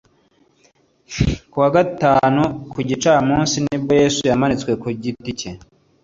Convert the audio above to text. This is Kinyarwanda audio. ku wa gatanu ku gicamunsi ni bwo yesu yamanitswe ku giti cye